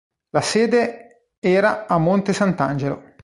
La sede era a Monte Sant'Angelo.